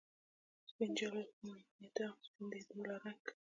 سپین یی جال او سپین یی دام ، سپین دی د ملا رنګ